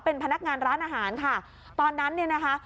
เป็นพนักงานร้านอาหารค่ะตอนนั้นเนี่ยนะคะ